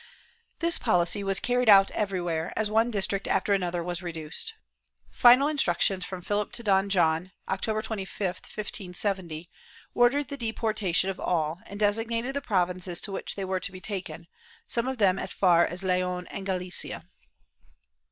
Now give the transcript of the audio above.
^ This policy was carried out everywhere, as one district after another was reduced. Final instructions from Philip to Don John, October 25, 1570, ordered the deportation of all and desig nated the provinces to which they were to be taken, some of them as far as Leon and Galicia.